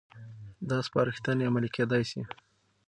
دا سپارښتنې عملي کېدای شي.